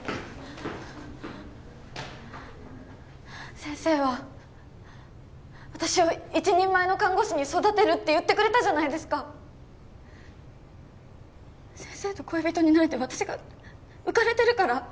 先生は私を一人前の看護師に育てるって言ってくれたじゃないですか先生と恋人になれて私が浮かれてるから？